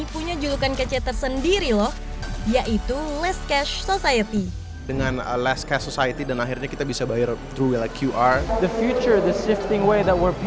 punya julukan kece tersendiri loh yaitu less cash society